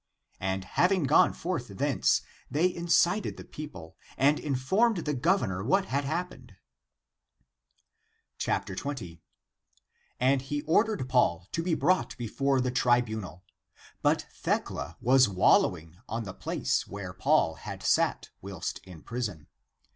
And having gone forth thence, they incited the peo ple, and informed the governor what had happened. 20. And he ordered Paul to be brought before the tribunal ; but Thecla was wallowing on the place where Paul had sat whilst in prison.